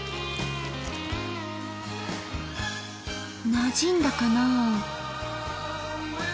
なじんだかな？